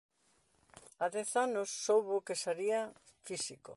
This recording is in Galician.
Ao dez anos soubo que sería físico.